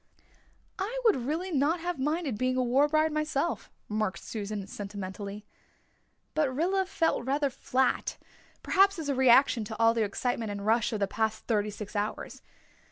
"I would really not have minded being a war bride myself," remarked Susan sentimentally. But Rilla felt rather flat perhaps as a reaction to all the excitement and rush of the past thirty six hours.